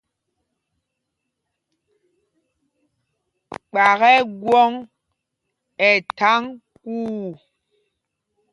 Kpak ɛ́ gwɔ̌ŋ ɛ tháŋ kuu.